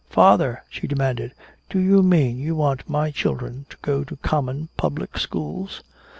"Father!" she demanded. "Do you mean you want my children to go to common public schools?"